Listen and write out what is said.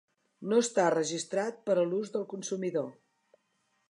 No està registrat per a l'ús del consumidor.